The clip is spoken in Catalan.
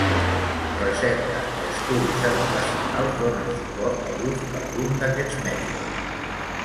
Recerca i estudis educacionals donen suport a l'ús d'algun d'aquests mètodes.